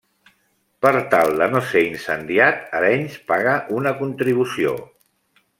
Per tal de no ser incendiat, Arenys paga una contribució.